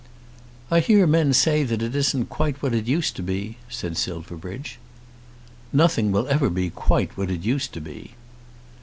"I hear men say that it isn't quite what it used to be," said Silverbridge. "Nothing will ever be quite what it used to be."